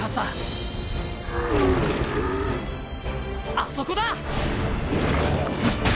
あそこだ！